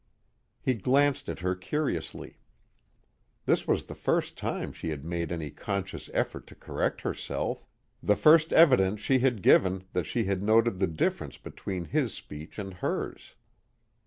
He glanced at her curiously. This was the first time she had made any conscious effort to correct herself, the first evidence she had given that she had noted the difference between his speech and hers.